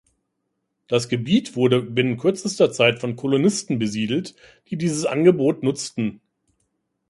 Das Gebiet wurde binnen kürzester Zeit von Kolonisten besiedelt, die dieses Angebot nutzten.